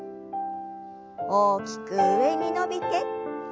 大きく上に伸びて。